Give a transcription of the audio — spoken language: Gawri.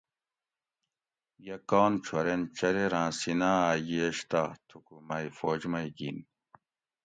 یہ کان چھورین چریراں سینا ھہ یِش تہ تھوکو مئ فوج مئ گین